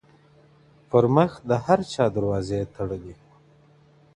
پــــر مـــخ د هــــر چــــا دروازې تـــــــړلـــــــي.